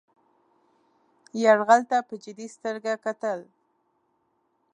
یرغل ته په جدي سترګه کتل.